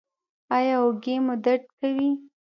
ایا اوږې مو درد کوي؟